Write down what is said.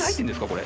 これ。